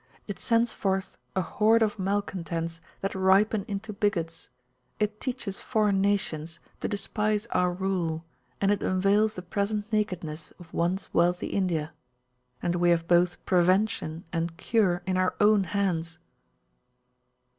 It sends forth a horde of malcontents that ripen into bigots; it teaches foreign nations to despise our rule; and it unveils the present nakedness of once wealthy India. And we have both prevention and cure in our own hands.